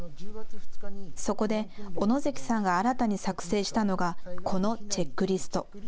そこで小野関さんが新たに作成したのがこのチェックリスト。